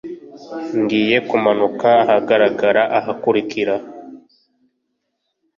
Ngiye kumanuka ahagarara ahakurikira.